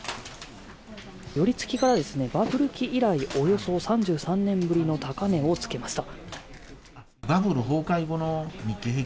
バブル期以来およそ３３年ぶりの高値をつけました。